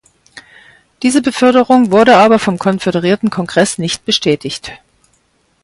Diese Beförderung wurde aber vom konföderierten Kongress nicht bestätigt.